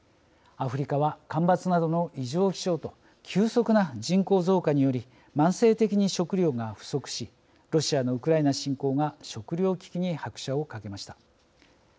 アフリカは干ばつなどの異常気象と急速な人口増加により慢性的に食料が不足しロシアのウクライナ侵攻が食料危機に拍車をかけました。